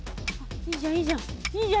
いいじゃんいいじゃん。